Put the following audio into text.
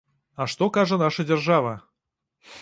А што кажа наша дзяржава?